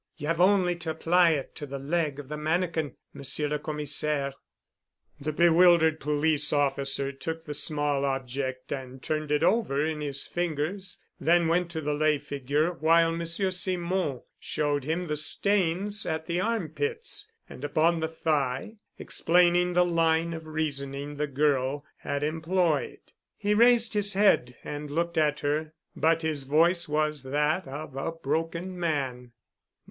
You have only to apply it to the leg of the mannikin, Monsieur le Commissaire." The bewildered police officer took the small object and turned it over in his fingers, then went to the lay figure while Monsieur Simon showed him the stains at the arm pits and upon the thigh, explaining the line of reasoning the girl had employed. He raised his head and looked at her, but his voice was that of a broken man.